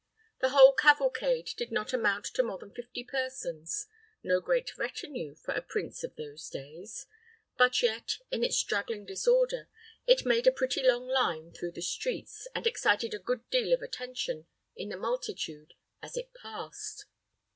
The whole cavalcade did not amount to more than fifty persons no great retinue for a prince of those days; but yet, in its straggling disorder, it made a pretty long line through the streets, and excited a good deal of attention in the multitude as it passed.